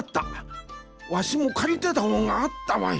わしもかりてたほんがあったわい。